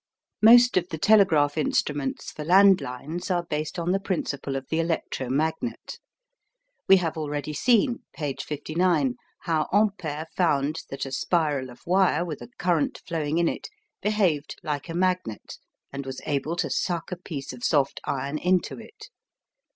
Most of the telegraph instruments for land lines are based on the principle of the electro magnet. We have already seen (page 59) how Ampere found that a spiral of wire with a current flowing in it behaved like a magnet and was able to suck a piece of soft iron into it.